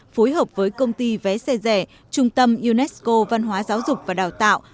phối hợp với công ty vé xe rẻ trung tâm unesco văn hóa giáo dục và đào tạo